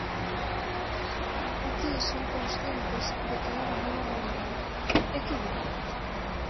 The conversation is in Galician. Aquí son conscientes de que hai unha nova realidade E que din?